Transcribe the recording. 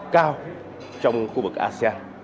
cao trong khu vực asean